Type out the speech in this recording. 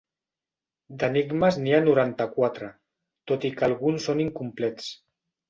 D'enigmes n'hi ha noranta-quatre, tot i que alguns són incomplets.